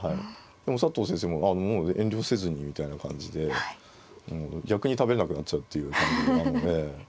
でも佐藤先生もあっもう遠慮せずにみたいな感じで逆に食べれなくなっちゃうっていう感じなので。